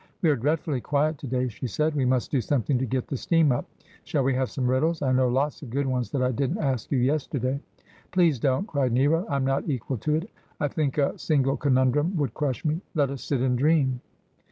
'We are dreadfully quiet to day,' she said. 'We must do something to get the steam up. Shall we have some riddles ? I know lots of good ones that I didn't ask you yesterday.' ' Please don't,' cried Nero ;' I am not equal to it. I think a single conundrum would crush me. Let us sit and dream.